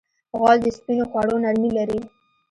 غول د سپینو خوړو نرمي لري.